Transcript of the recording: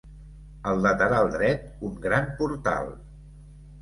Al lateral dret, un gran portal.